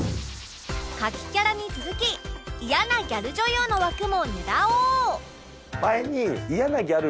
牡蠣キャラに続き嫌なギャル女優の枠も狙おう